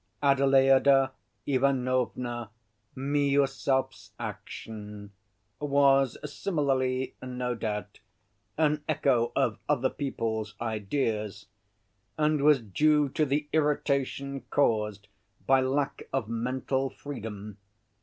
Adelaïda Ivanovna Miüsov's action was similarly, no doubt, an echo of other people's ideas, and was due to the irritation caused by lack of mental freedom.